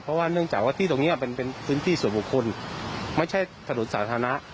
เพราะว่าเนื่องจากว่าที่ตรงนี้มันเป็นพื้นที่ส่วนบุคคลไม่ใช่ถนนสาธารณะ